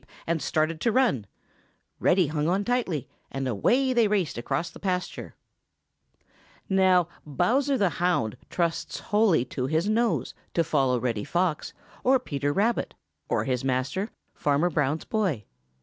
cried the sheep and started to run. Reddy hung on tightly, and away they raced across the pasture. Now Bowser the Hound trusts wholly to his nose to follow Reddy Fox or Peter Rabbit or his master, Farmer Brown's boy.